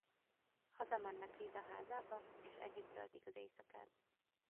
Hazamennek Lisa házába és együtt töltik az éjszakát.